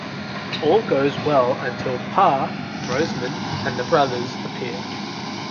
All goes well until Pa (Roseman) and the brothers appear.